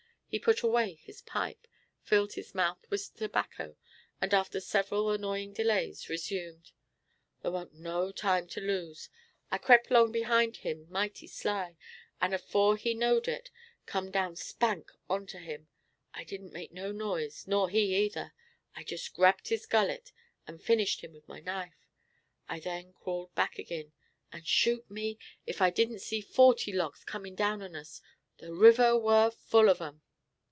He put away his pipe, filled his mouth with tobacco, and, after several annoying delays, resumed: "Thar weren't no time to lose. I crept 'long behind him mighty sly, and afore he knowed it, come down spank onto him. I didn't make no noise nor he either. I jist grabbed his gullet and finished him with my knife. I then crawled back agin, and, shoot me, ef I didn't see forty logs comin' down on us; the river war full of 'em.